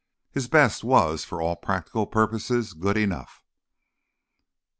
His best was, for all practical purposes, good enough.